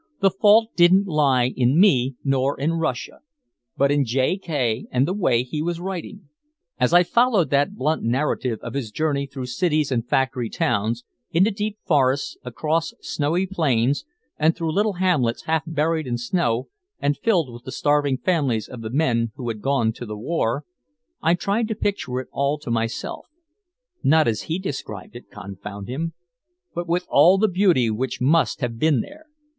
The fault didn't lie in me nor in Russia, but in J. K. and the way he was writing. As I followed that blunt narrative of his journey through cities and factory towns, into deep forests, across snowy plains and through little hamlets half buried in snow and filled with the starving families of the men who had gone to the war, I tried to picture it all to myself not as he described it, confound him, but with all the beauty which must have been there.